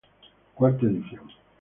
Cuarta edición.